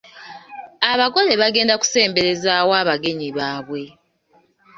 Abagole bagenda kusembereza wa abagenyi baabwe ?